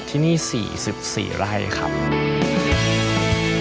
ที่นี่๔๔ไร่ครับ